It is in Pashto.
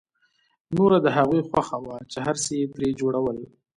نوره د هغوی خوښه وه چې هر څه یې ترې جوړول